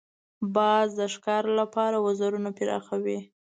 باز د ښکار لپاره وزرونه پراخوي